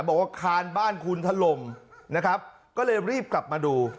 บอกว่าคานบ้านคุณถล่มนะครับก็เลยรีบกลับมาดู